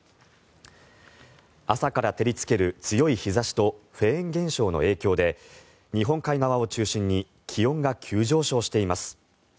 朝から照りつける強い日差しとフェーン現象の影響で日本海側を中心に気温が急上昇しています。